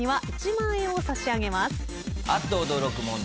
あっと驚く問題